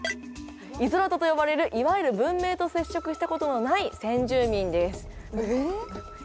イゾラドと呼ばれるいわゆる文明と接触したことのない先住民です。え！？